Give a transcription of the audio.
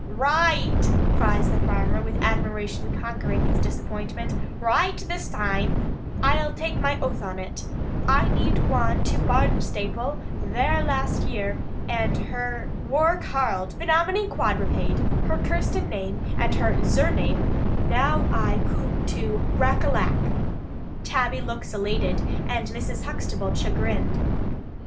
"Raight," cries the farmer, with admiration conquering his disappointment; "raight this taime, ai'll tak my oath on it. I zeed wan to Barnstaple vair last year, and her wor karled, 'Phanominy Quadripade,' her Kirsten name and her zurname, now ai coom to racollack." Tabby looks elated, and Mrs. Huxtable chagrined.